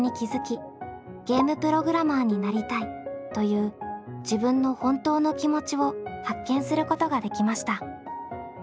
「ゲームプログラマーになりたい」という自分の本当の気持ちを発見することができました。